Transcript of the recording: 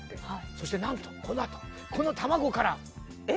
そしてなんとこのあとこの卵から。